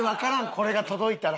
これが届いたら。